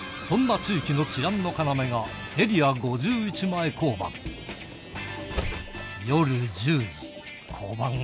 そんな地域の治安の要がエリア５１前交番。